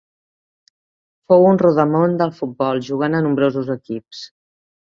Fou un rodamón del futbol, jugant a nombrosos equips.